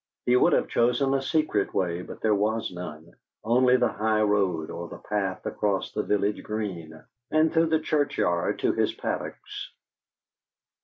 He would have chosen a secret way, but there was none, only the highroad, or the path across the village green, and through the churchyard to his paddocks.